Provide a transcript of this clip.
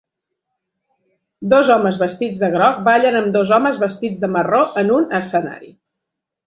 Dos homes vestits de groc ballen amb dos homes vestits de marró en un escenari.